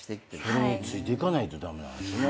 それについていかないと駄目なんすね。